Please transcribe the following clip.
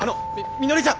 みのりちゃん！